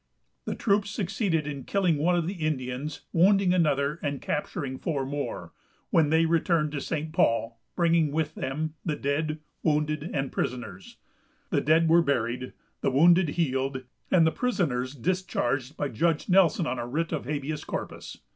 The troops succeeded in killing one of the Indians, wounding another, and capturing four more, when they returned to St. Paul, bringing with them the dead, wounded, and prisoners. The dead were buried, the wounded healed, and the prisoners discharged by Judge Nelson on a writ of habeas corpus.